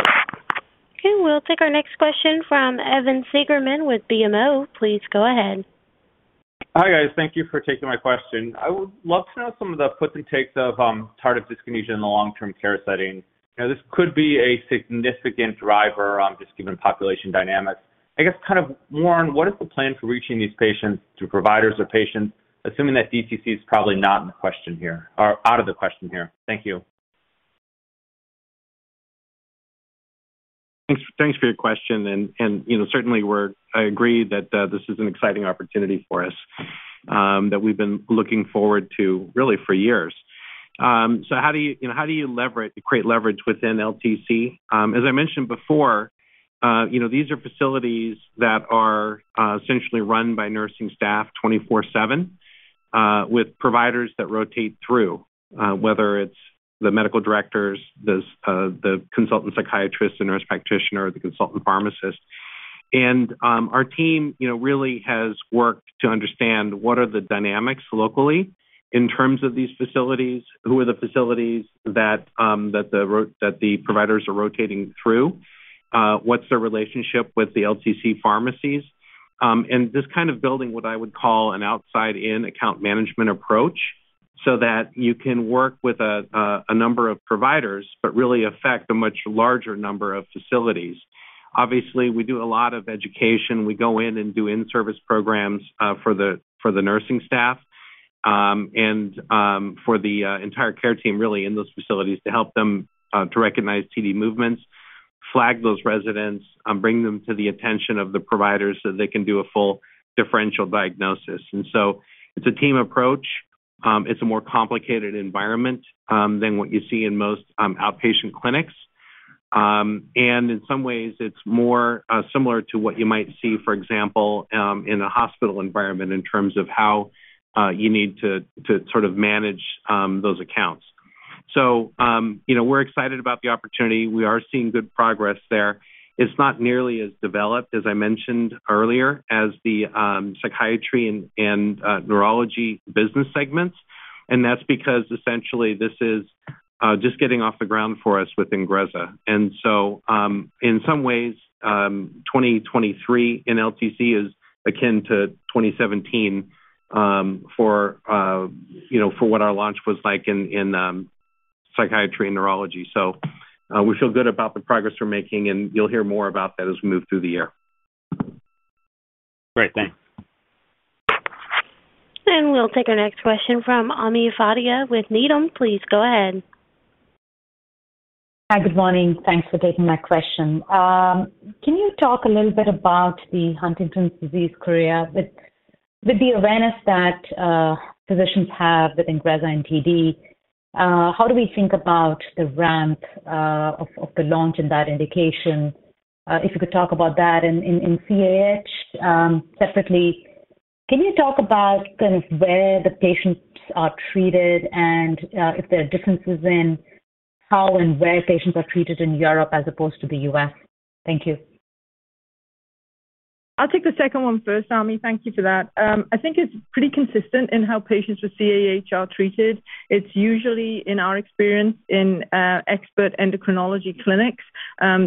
Okay, we'll take our next question from Evan Seigerman with BMO. Please go ahead. Hi, guys. Thank you for taking my question. I would love to know some of the puts and takes of tardive dyskinesia in the long-term care setting. This could be a significant driver, just given population dynamics. I guess kind of, Warren, what is the plan for reaching these patients through providers or patients, assuming that DTC is probably not in the question here or out of the question here? Thank you. Thanks for your question. You know, certainly I agree that this is an exciting opportunity for us that we've been looking forward to really for years. How do you know, how do you leverage, create leverage within LTC? As I mentioned before, you know, these are facilities that are essentially run by nursing staff 24/7 with providers that rotate through, whether it's the medical directors, those, the consultant psychiatrists, the nurse practitioner, the consultant pharmacist. Our team, you know, really has worked to understand what are the dynamics locally in terms of these facilities, who are the facilities that the providers are rotating through, what's their relationship with the LTC pharmacies. Just kind of building what I would call an outside-in account management approach so that you can work with a number of providers but really affect a much larger number of facilities. Obviously, we do a lot of education. We go in and do in-service programs for the nursing staff, and for the entire care team really in those facilities to help them to recognize TD movements, flag those residents, bring them to the attention of the providers so they can do a full differential diagnosis. It's a team approach. It's a more complicated environment than what you see in most outpatient clinics. In some ways, it's more similar to what you might see, for example, in a hospital environment in terms of how you need to sort of manage those accounts. You know, we're excited about the opportunity. We are seeing good progress there. It's not nearly as developed, as I mentioned earlier, as the psychiatry and neurology business segments, and that's because essentially this is just getting off the ground for us with INGREZZA. In some ways, 2023 in LTC is akin to 2017 for you know, for what our launch was like in psychiatry and neurology. We feel good about the progress we're making, and you'll hear more about that as we move through the year. Great. Thanks. We'll take our next question from Ami Fadia with Needham. Please go ahead. Hi. Good morning. Thanks for taking my question. Can you talk a little bit about the Huntington's disease chorea with the awareness that physicians have with INGREZZA and TD? How do we think about the ramp of the launch in that indication? If you could talk about that. In CAH, separately, can you talk about kind of where the patients are treated and if there are differences in how and where patients are treated in Europe as opposed to the U.S.? Thank you. I'll take the second one first, Ami. Thank you for that. I think it's pretty consistent in how patients with CAH are treated. It's usually, in our experience, in expert endocrinology clinics.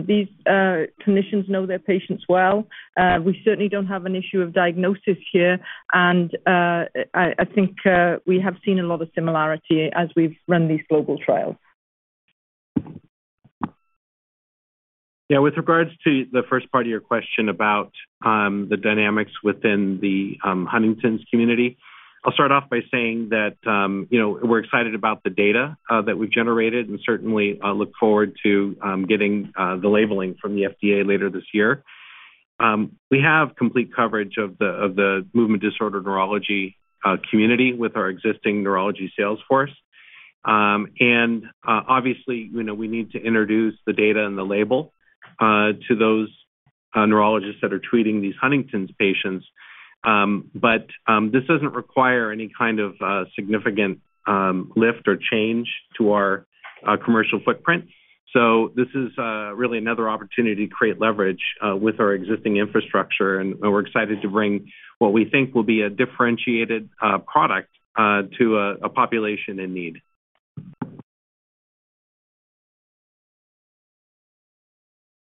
These clinicians know their patients well. We certainly don't have an issue of diagnosis here, and I think we have seen a lot of similarity as we've run these global trials. Yeah. With regards to the first part of your question about the dynamics within the Huntington's community, I'll start off by saying that, you know, we're excited about the data that we've generated and certainly look forward to getting the labeling from the FDA later this year. We have complete coverage of the movement disorder neurology community with our existing neurology sales force. Obviously, you know, we need to introduce the data and the label to those neurologists that are treating these Huntington's patients. This doesn't require any kind of significant lift or change to our commercial footprint. This is really another opportunity to create leverage with our existing infrastructure, and we're excited to bring what we think will be a differentiated product to a population in need.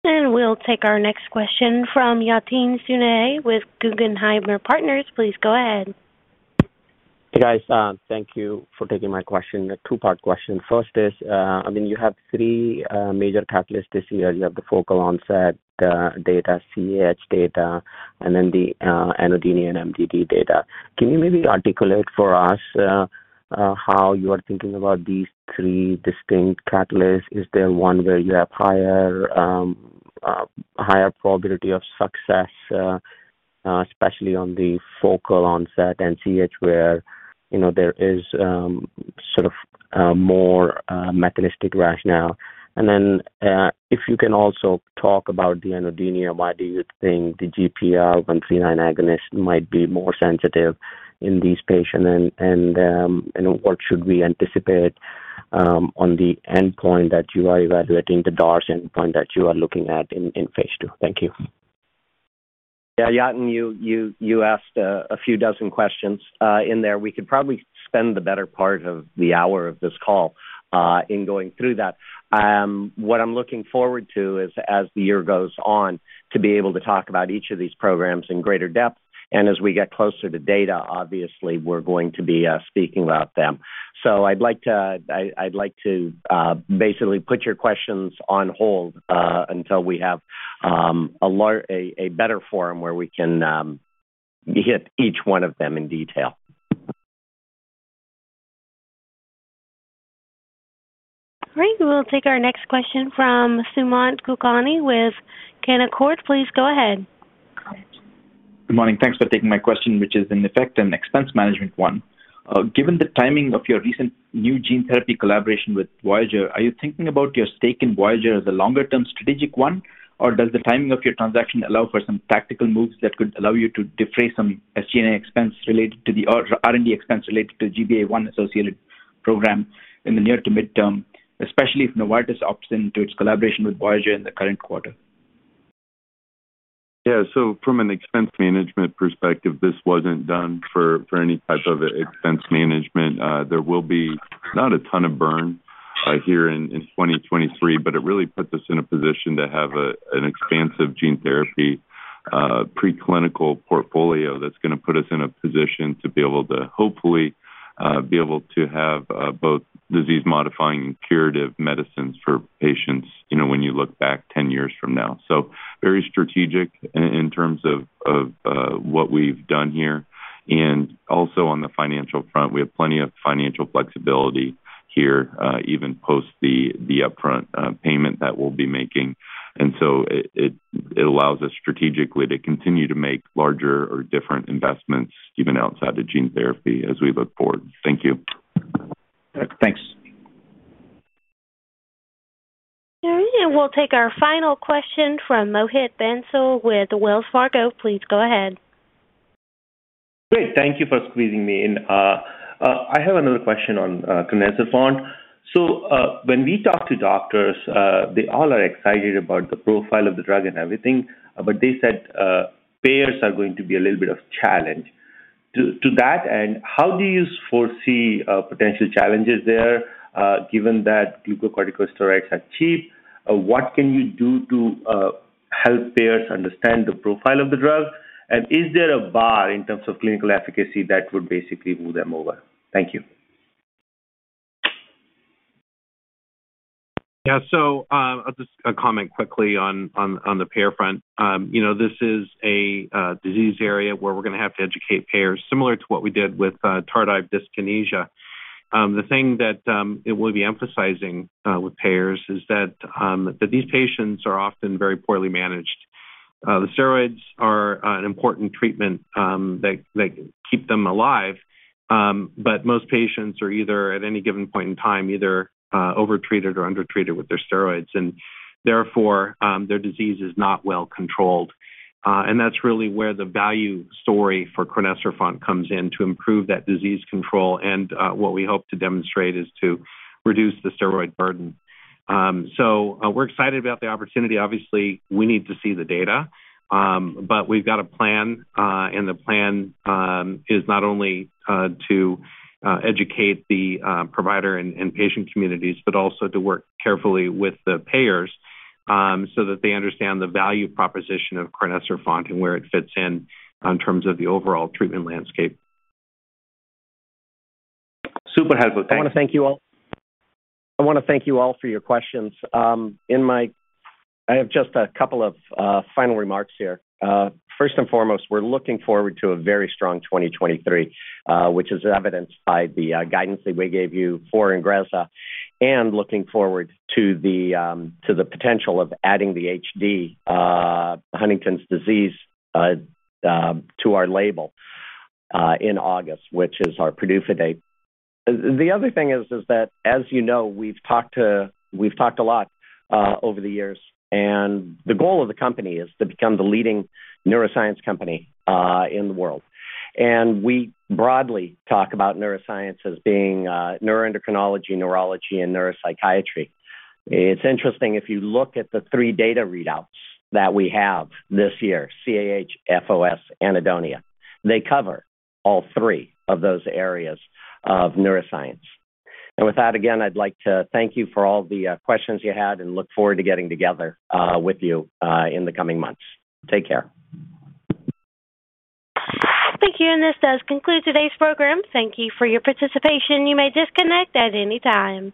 We'll take our next question from Yatin Suneja with Guggenheim Partners. Please go ahead. Hey, guys. Thank you for taking my question. A two-part question. First is, I mean, you have three major catalysts this year. You have the focal onset data, CAH data, and then the anhedonia and MDD data. Can you maybe articulate for us how you are thinking about these three distinct catalysts? Is there one where you have higher probability of success, especially on the focal onset and CAH where, you know, there is sort of more mechanistic rationale? If you can also talk about the anhedonia, why do you think the GPR119 agonist might be more sensitive in these patients and what should we anticipate on the endpoint that you are evaluating, the DARS endpoint that you are looking at in phase II? Thank you. Yeah, Yatin, you asked a few dozen questions in there. We could probably spend the better part of the hour of this call in going through that. What I'm looking forward to is as the year goes on, to be able to talk about each of these programs in greater depth. As we get closer to data, obviously, we're going to be speaking about them. I'd like to basically put your questions on hold until we have a better forum where we can hit each one of them in detail. All right, we'll take our next question from Sumant Kulkarni with Canaccord. Please go ahead. Good morning. Thanks for taking my question, which is in effect an expense management one. Given the timing of your recent new gene therapy collaboration with Voyager, are you thinking about your stake in Voyager as a longer-term strategic one? Does the timing of your transaction allow for some tactical moves that could allow you to defray some SG&A expense related to R&D expense related to GBA1-associated program in the near to mid-term, especially if Novartis opts into its collaboration with Voyager in the current quarter? Yeah. From an expense management perspective, this wasn't done for any type of expense management. There will be not a ton of burn here in 2023, it really puts us in a position to have an expansive gene therapy preclinical portfolio that's gonna put us in a position to be able to hopefully be able to have both disease-modifying curative medicines for patients, you know, when you look back 10 years from now. Very strategic in terms of what we've done here. Also on the financial front, we have plenty of financial flexibility here even post the upfront payment that we'll be making. It allows us strategically to continue to make larger or different investments even outside of gene therapy as we look forward. Thank you. Thanks. We'll take our final question from Mohit Bansal with Wells Fargo. Please go ahead. Great. Thank you for squeezing me in. I have another question on crinecerfont. When we talk to doctors, they all are excited about the profile of the drug and everything, but they said payers are going to be a little bit of challenge. To that end, how do you foresee potential challenges there, given that glucocorticoids are cheap? What can you do to help payers understand the profile of the drug? And is there a bar in terms of clinical efficacy that would basically move them over? Thank you. Yeah. I'll just comment quickly on the payer front. You know, this is a disease area where we're gonna have to educate payers similar to what we did with tardive dyskinesia. The thing that we'll be emphasizing with payers is that these patients are often very poorly managed. The steroids are an important treatment that keep them alive. Most patients are either at any given point in time, either over-treated or under-treated with their steroids, and therefore, their disease is not well controlled. That's really where the value story for crinecerfont comes in to improve that disease control. What we hope to demonstrate is to reduce the steroid burden. We're excited about the opportunity. Obviously, we need to see the data. We've got a plan, and the plan is not only to educate the provider and patient communities, but also to work carefully with the payers, so that they understand the value proposition of crinecerfont and where it fits in in terms of the overall treatment landscape. Super helpful. Thanks. I wanna thank you all. I wanna thank you all for your questions. I have just a couple of final remarks here. First and foremost, we're looking forward to a very strong 2023, which is evidenced by the guidance that we gave you for INGREZZA and looking forward to the potential of adding the HD, Huntington's disease, to our label in August, which is our PDUFA date. The other thing is that, as you know, we've talked a lot over the years, and the goal of the company is to become the leading neuroscience company in the world. We broadly talk about neuroscience as being neuroendocrinology, neurology, and neuropsychiatry. It's interesting, if you look at the three data readouts that we have this year, CAH, FOS, anhedonia, they cover all three of those areas of neuroscience. And with that, again, I'd like to thank you for all the questions you had and look forward to getting together with you in the coming months. Take care. Thank you. This does conclude today's program. Thank you for your participation. You may disconnect at any time.